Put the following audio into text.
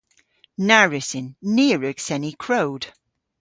Na wrussyn. Ni a wrug seni krowd.